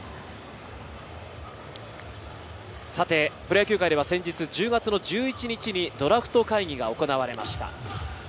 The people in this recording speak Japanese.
プロ野球界では先日１０月１１日にドラフト会議が行われました。